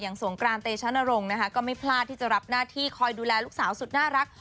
นาที่คอยดูแลลูกสาวสุดน่ารัก